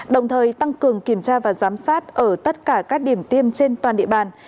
đồng thời tăng cường kiểm tra và giám sát ở tất cả các điểm tiêm trên toàn địa bàn